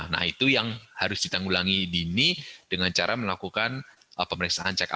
nah itu yang harus ditanggulangi dini dengan cara melakukan pemeriksaan check up